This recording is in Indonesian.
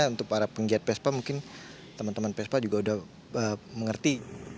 untuk para penggiat vespa mungkin teman teman vespa juga sudah mengerti